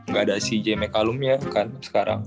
gak ada si j mekalum ya kan sekarang